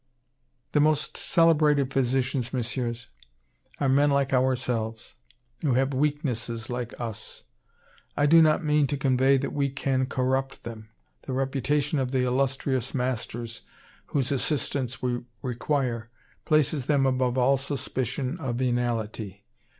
"The most celebrated physicians, Messieurs, are men like ourselves who have weaknesses like us. I do not mean to convey that we can corrupt them. The reputation of the illustrious masters, whose assistance we require, places them above all suspicion of venality.